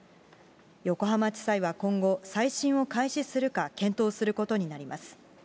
横浜地裁は今後、再審を開始するか検討することになります。